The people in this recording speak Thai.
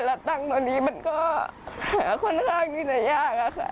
และตั้งตอนนี้มันก็ค่อนข้างยืนยากอ่ะค่ะ